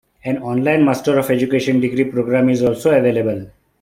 An online Master of Education degree program is also available.